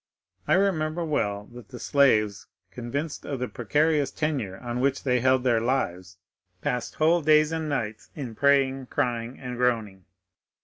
I remember well that the slaves, convinced of the precarious tenure on which they held their lives, passed whole days and nights in praying, crying, and groaning.